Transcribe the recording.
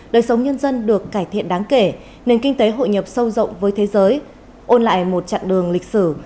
đời sống nhân dân được cải thiện đáng kể nền kinh tế hội nhập sâu rộng với thế giới ôn lại một chặng đường lịch sử